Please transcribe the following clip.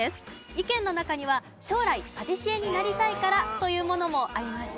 意見の中には将来パティシエになりたいからというものもありました。